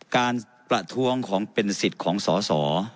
การประท้วงของเป็นสิทธิ์ของสอสอ